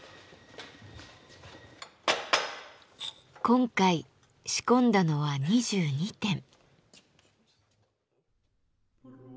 今回仕込んだのは２２点。